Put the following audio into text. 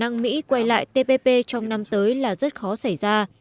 nhưng khi mỹ quay lại tpp trong năm tới là rất khó xảy ra